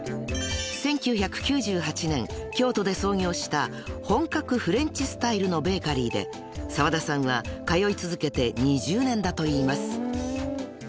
［１９９８年京都で創業した本格フレンチスタイルのベーカリーで澤田さんは通い続けて２０年だといいます］